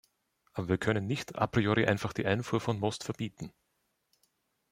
Aber wir können nicht a priori einfach die Einfuhr von Most verbieten.